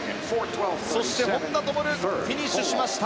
そして、本多灯フィニッシュしました。